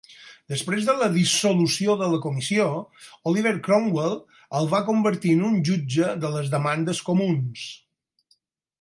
Després de la dissolució de la Comissió, Oliver Cromwell el va convertir en un jutge de les demandes comuns.